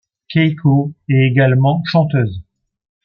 Keiko est également chanteuse.